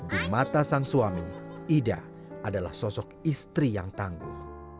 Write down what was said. di mata sang suami ida adalah sosok istri yang tangguh